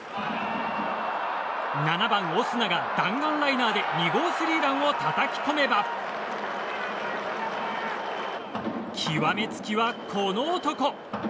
７番、オスナが弾丸ライナーで２号スリーランをたたき込めば極めつきは、この男！